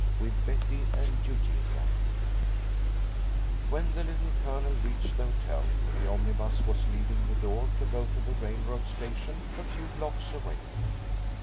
WITH BETTY AND EUGENIA When the Little Colonel reached the hotel, the omnibus was leaving the door to go to the railroad station, a few blocks away.